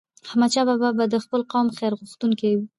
احمدشاه بابا به د خپل قوم خیرغوښتونکی و.